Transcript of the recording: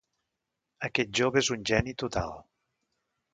Aquest jove és un geni total.